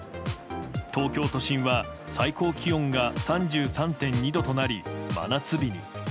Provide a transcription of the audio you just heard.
東京都心は、最高気温が３３．２度となり真夏日に。